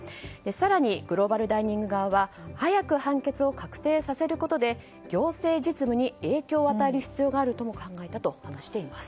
更にグローバルダイニング側は早く判決を確定させることで行政実務に影響を与える必要があるとも考えたと話しています。